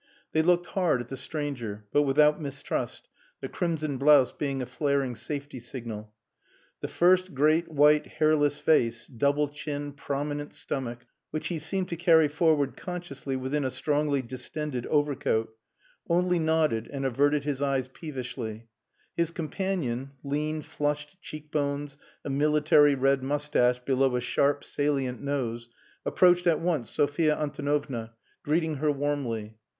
They looked hard at the stranger, but without mistrust, the crimson blouse being a flaring safety signal. The first, great white hairless face, double chin, prominent stomach, which he seemed to carry forward consciously within a strongly distended overcoat, only nodded and averted his eyes peevishly; his companion lean, flushed cheekbones, a military red moustache below a sharp, salient nose approached at once Sophia Antonovna, greeting her warmly.